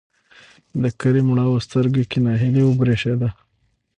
د کريم مړاوو سترګو کې نهيلي وبرېښېده.